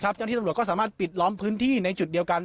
เจ้าหน้าที่ตำรวจก็สามารถปิดล้อมพื้นที่ในจุดเดียวกัน